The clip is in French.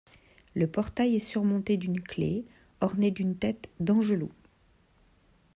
Le portail est surmonté d'une clé ornée d'une tête d'angelot.